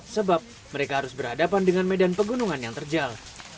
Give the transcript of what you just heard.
sebab mereka harus berhadapan dengan medan pegunungan yang terjal